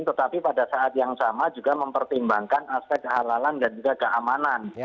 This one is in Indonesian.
tetapi pada saat yang sama juga mempertimbangkan aspek halalan dan juga keamanan